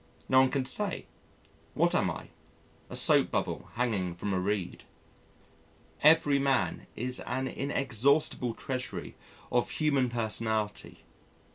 No one can say. What am I? "A soap bubble hanging from a reed." Every man is an inexhaustible treasury of human personality.